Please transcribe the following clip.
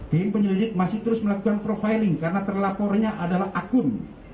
tim penyelidik masih terus melakukan profiling karena terlapornya adalah akun